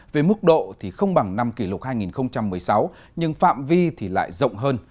về mức độ thì không bằng năm kỷ lục hai nghìn một mươi sáu nhưng phạm vi thì lại rộng hơn